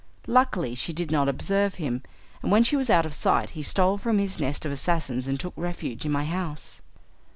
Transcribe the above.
Luckily she did not observe him, and when she was out of sight he stole from this nest of assassins and took refuge in my house.